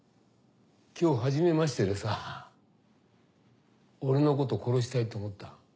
今日はじめましてでさ俺のこと殺したいと思った？